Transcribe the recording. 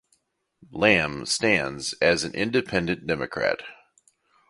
Lam stands as an independent democrat.